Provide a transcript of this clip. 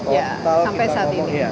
ya sampai saat ini